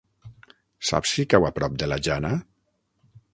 Saps si cau a prop de la Jana?